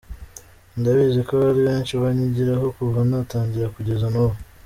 Ndabizi ko hari benshi banyigiraho kuva natangira kugeza n’ubu.